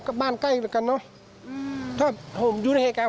ก็สงสารเนาะบ้านใกล้กันเนาะอืมถ้าโหมันอยู่ในเฮไกร